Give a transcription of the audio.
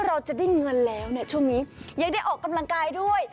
เราจะได้เงินแล้วเนี่ยช่วงนี้ยังได้ออกกำลังกายด้วย